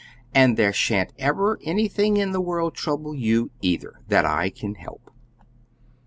"And there sha'n't ever anything in the world trouble you, either that I can help!"